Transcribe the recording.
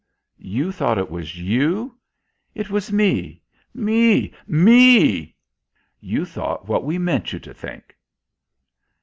You thought it was you? It was me me ME.... You thought what we meant you to think."